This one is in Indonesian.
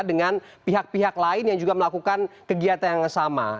dengan pihak pihak lain yang juga melakukan kegiatan yang sama